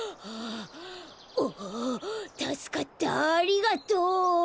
おおたすかったありがとう。